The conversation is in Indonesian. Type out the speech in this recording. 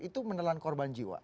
itu menelan korban jiwa